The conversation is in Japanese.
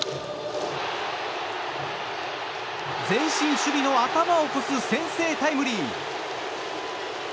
前進守備の頭を越す先制タイムリー。